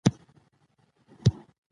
د ناڅاپه غوسې څپې فزیکي اغېزې هم لري.